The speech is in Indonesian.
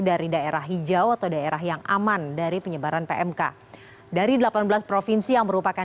dari daerah hijau atau daerah yang aman dari penyebaran pmk dari delapan belas provinsi yang merupakan